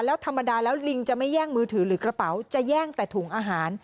แล้วธรรมดาแล้วลิงจะไม่แย่งมือถือหรือกระเป๋าจะแย่งแต่ถุงอาหาร